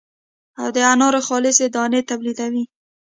او د انارو خالصې دانې تولیدوي.